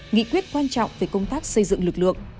nghị quyết quan trọng về công tác xây dựng lực lượng